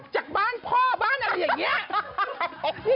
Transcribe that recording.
จากบ้านพ่อบ้านอะไรอย่างนี้